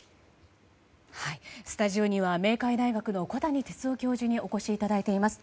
スタジオには明海大学の小谷哲男教授にお越しいただいています。